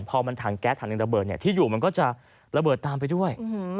พอมันถังแก๊สถังหนึ่งระเบิดที่อยู่มันก็จะระเบิดตามไปด้วย